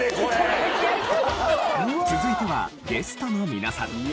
続いてはゲストの皆さん。